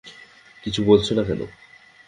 কিছু বলছো না কেন?